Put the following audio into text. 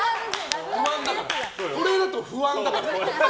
これだと不安だから。